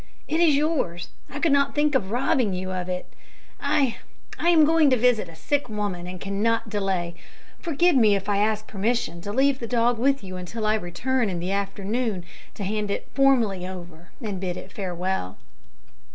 It is yours. I could not think of robbing you of it. I I am going to visit a sick woman and cannot delay; forgive me if I ask permission to leave the dog with you until I return in the afternoon to hand it formally over and bid it farewell."